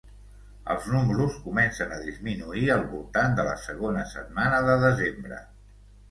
Els números comencen a disminuir al voltant de la segona setmana de desembre.